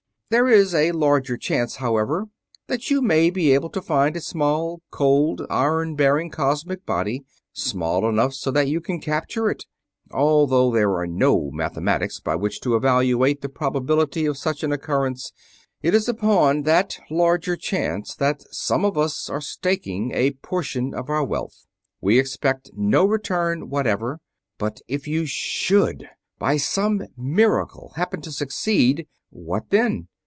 There is a larger chance, however, that you may be able to find a small, cold, iron bearing cosmic body small enough so that you can capture it. Although there are no mathematics by which to evaluate the probability of such an occurrence, it is upon that larger chance that some of us are staking a portion of our wealth. We expect no return whatever, but if you should by some miracle happen to succeed, what then?